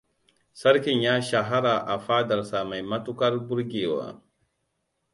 Sarkin ya shahara a fadarsa mai matuƙar burgewa.